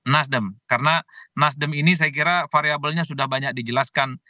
nasdem karena nasdem ini saya kira variabelnya sudah banyak dijelaskan